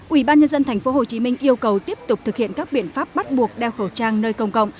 ubnd tp hcm yêu cầu tiếp tục thực hiện các biện pháp bắt buộc đeo khẩu trang nơi công cộng